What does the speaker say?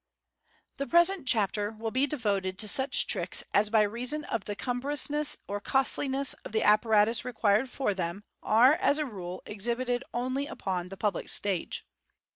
The present Chapter will be devoted to such tricks as by reason of the cumbrousness or costliness of the apparatus required for them, are, as a rule, exhibited only upon the public stage.